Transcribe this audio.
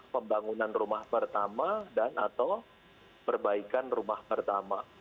pembangunan rumah pertama dan atau perbaikan rumah pertama